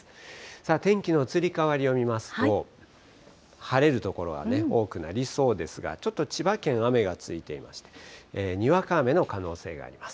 さあ、天気の移り変わりを見ますと、晴れる所はね、多くなりそうですが、ちょっと千葉県、雨がついていまして、にわか雨の可能性があります。